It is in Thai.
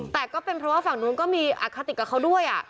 แต่ก็เป็นเพราะว่าฝั่งนู้นก็มีอคติกับเขาด้วย